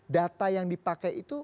data yang dipakai itu